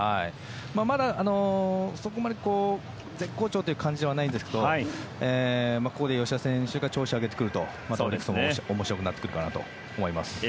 まだそこまで絶好調という感じではないんですがここで吉田選手が調子を上げてくるとオリックスも面白くなってくるかなと思います。